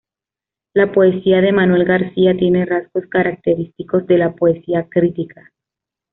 La poesía de Manuel García tiene rasgos característicos de la poesía crítica.